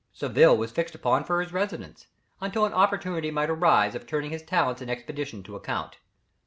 Seville was fixed upon for his residence, until an opportunity might arise of turning his talents and experience to account.